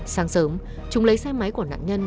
sáng sớm chúng lấy xe máy của nạn nhân